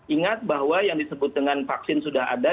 ingat bahwa yang disebut dengan vaksin sudah ada